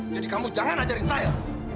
jadi kamu jangan ajarin saya